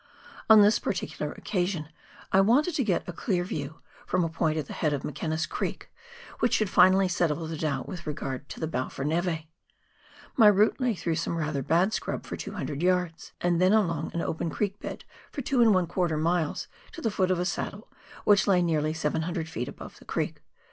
On this particular occasion I wanted to get a clear view, from a point at the head of McKenna's Creek, which should finally settle the doubt with regard to the Balfour neve. My route lay through some rather bad scrub for 200 yards, and then along an open creek bed for 2j miles to the foot of a saddle which lay nearly 700 feet above the creek.